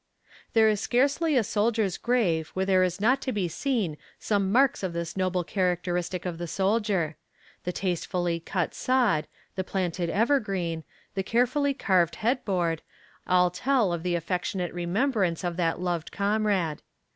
There is scarcely a soldier's grave where there is not to be seen some marks of this noble characteristic of the soldier the tastefully cut sod, the planted evergreen, the carefully carved head board, all tell of the affectionate remembrance of the loved comrade.